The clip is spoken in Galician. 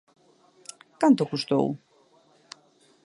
Canto custou?